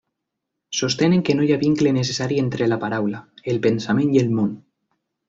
Sostenen que no hi ha vincle necessari entre la paraula, el pensament i el món.